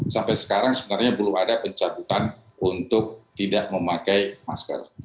sampai sekarang sebenarnya belum ada pencabutan untuk tidak memakai masker